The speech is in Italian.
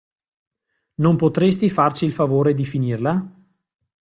Non potresti farci il favore di finirla?